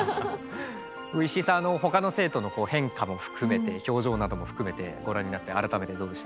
石井さんほかの生徒の変化も含めて表情なども含めてご覧になって改めてどうでした？